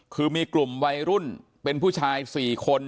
คือมีกลุ่มวัยรุ่นเป็นผู้ชาย๔คน